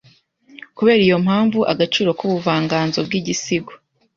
kubera iyo mpamvu agaciro kubuvanganzo bwigisigo